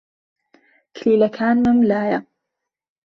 کلیلەکانمم لایە.